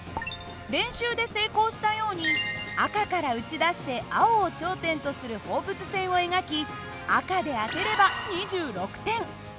練習で成功したように赤から撃ち出して青を頂点とする放物線を描き赤で当てれば２６点。